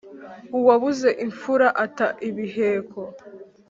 Uwabuze imfura ata ibiheko.